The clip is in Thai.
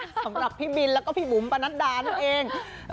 สำหรับพี่บินแล้วก็พี่บุ๋มปะนัดดานั่นเอง